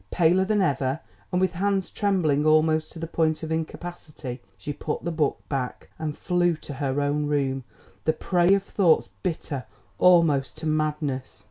Paler than ever, and with hands trembling almost to the point of incapacity, she put the book back, and flew to her own room, the prey of thoughts bitter almost to madness.